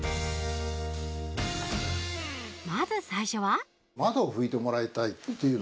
まず最初は。